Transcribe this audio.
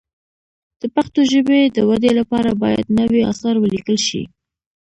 د پښتو ژبې د ودې لپاره باید نوي اثار ولیکل شي.